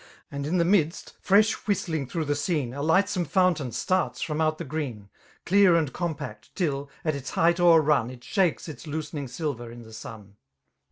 8 And in the midst» fresh whistfing through the (BOBse^ A lightsome fountain starts from out the gteett» Clear and compact, till^ at its height </ef^nm. It shakes its loosening silver in the sun.